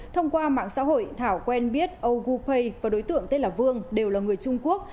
thông qua mạng xã hội thảo quen biết ogu pay và đối tượng tên là vương đều là người trung quốc